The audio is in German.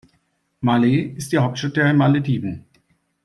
Malé ist die Hauptstadt der Malediven.